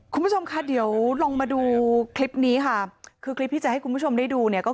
คุณผู้ชมค่ะเดี๋ยวลองมาดูคลิปนี้ค่ะคือคลิปที่จะให้คุณผู้ชมได้ดูเนี่ยก็คือ